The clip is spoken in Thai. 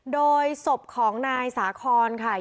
โดยศพของนายสาคอนค่ะ